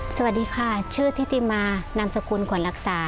สวัสดีค่ะชื่อทิติมานามสกุลขวัญรักษา